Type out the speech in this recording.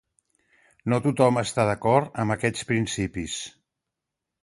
No tothom està d'acord amb aquests principis.